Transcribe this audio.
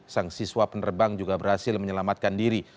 sang siswa penerbang juga berhasil menyelamatkan diri